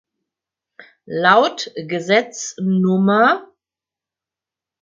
Laut Gesetz Nr.